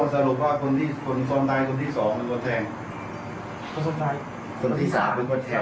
ใช่ครับ